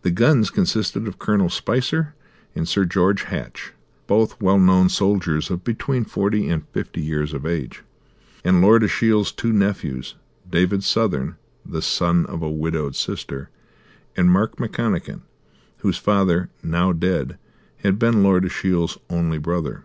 The guns consisted of Col. Spicer and Sir George Hatch, both well known soldiers of between forty and fifty years of age, and Lord Ashiel's two nephews, David Southern, the son of a widowed sister, and Mark McConachan, whose father, now dead, had been Lord Ashiel's only brother.